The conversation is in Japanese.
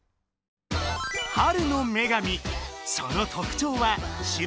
春の女神